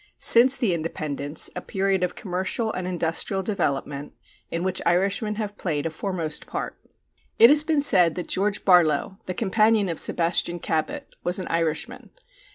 Since the Independence; a period of commercial and industrial development, in which Irishmen have played a foremost part. It has been said that George Barlow, the companion of Sebastian Cabot, was an Irishman.